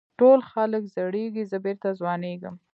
ټول خلک زړېږي زه بېرته ځوانېږم.